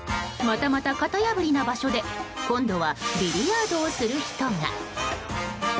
またまた型破りな場所で今度はビリヤードをする人が。